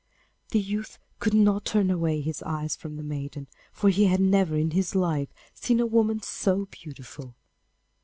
The youth could not turn away his eyes from the maiden, for he had never in his life seen a woman so beautiful.